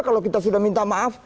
kalau kita sudah minta maaf